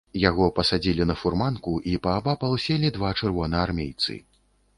Яго пасадзілі на фурманку, і паабапал селі два чырвонаармейцы.